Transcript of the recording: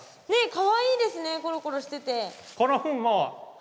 かわいいですねコロコロしてて。